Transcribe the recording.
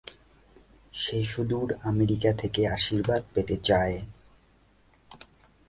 সে সুদূর আমেরিকা থেকে আশীর্বাদ পেতে চায়।